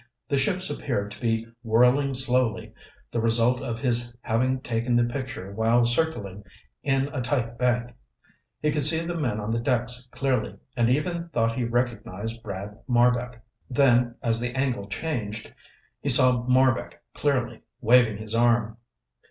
The ships appeared to be whirling slowly, the result of his having taken the picture while circling in a tight bank. He could see the men on the decks clearly, and even thought he recognized Brad Marbek. Then, as the angle changed, he saw Marbek clearly, waving his arm.